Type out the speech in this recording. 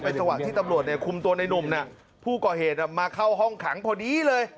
จังหวะที่ตำรวจคุมตัวในนุ่มผู้ก่อเหตุมาเข้าห้องขังพอดีเลย